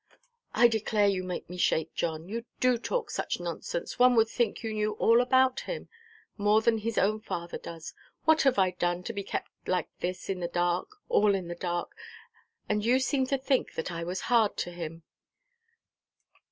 "I declare you make me shake, John. You do talk such nonsense. One would think you knew all about him,—more than his own father does. What have I done, to be kept like this in the dark, all in the dark? And you seem to think that I was hard to him."